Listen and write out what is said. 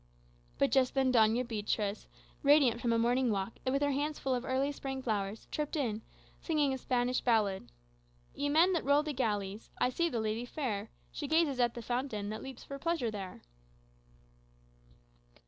But just then Doña Beatriz, radiant from a morning walk, and with her hands full of early spring flowers, tripped in, singing a Spanish ballad, "Ye men that row the galleys, I see my lady fair; She gazes at the fountain That leaps for pleasure there."